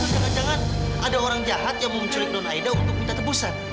jangan jangan ada orang jahat yang menculik non aida untuk minta tebusan